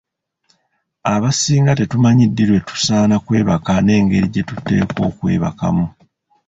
Abasinga tetumanyi ddi lwe tusaana kwebaka n’engeri gye tuteekwa okwebakamu.